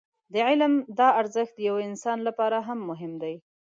د علم دا ارزښت د يوه انسان لپاره هم مهم دی.